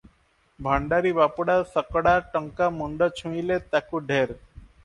ଭଣ୍ଡାରି ବାପୁଡା ଶକଡ଼ା ଟଙ୍କା ମୁଣ୍ଡ ଛୁଇଁଲେ ତାକୁ ଢେର ।